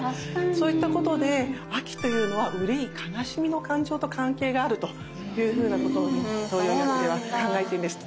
そういったことで秋というのは憂い悲しみの感情と関係があるというふうなことを東洋医学では考えてるんです。